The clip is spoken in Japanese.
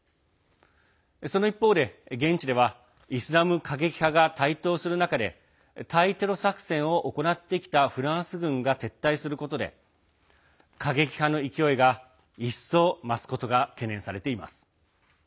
その一方で、現地ではイスラム過激派が台頭する中で対テロ作戦を行ってきたフランス軍が撤退することで過激派の勢いが一層増すことが懸念されています。